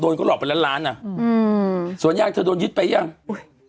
หลอกเป็นล้านล้านอ่ะอืมสวนยางเธอโดนยึดไปยังอุ้ย